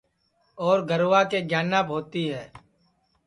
اور گَروا کے گیاناپ ہوتی ہے